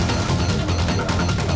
terima kasih chandra